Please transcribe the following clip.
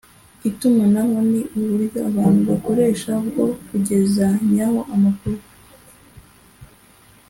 itumanaho ni uburyo abantu bakoresha bwo kugezanyaho amakuru